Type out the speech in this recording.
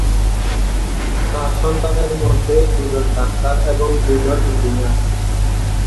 চার সন্তানের মধ্যে দুজন ডাক্তার এবং দুজন ইঞ্জিনিয়ার।